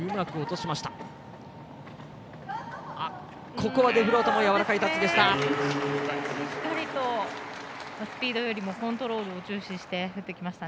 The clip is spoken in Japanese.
ここはデフロートやわらかいタッチでした。